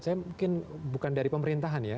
saya mungkin bukan dari pemerintahan ya